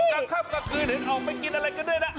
กลับขับกลับคืนเดี๋ยวออกไปกินอะไรก็ได้นะ